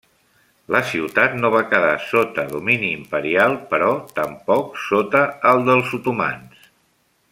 La ciutat no va quedar sota domini imperial però tampoc sota el dels otomans.